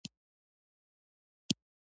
ژبه د هوښیار ذهن ښکارندوی ده